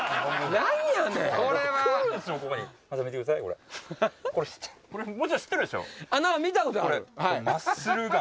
何か見たことある。